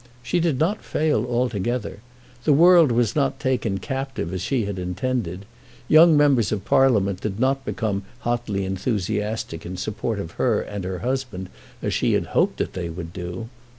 She did not fail altogether. The world was not taken captive as she had intended. Young members of Parliament did not become hotly enthusiastic in support of her and her husband as she had hoped that they would do.